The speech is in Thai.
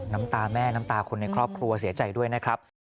น้ำตาแม่น้ำตาคนในครอบครัวเสียใจด้วยนะครับ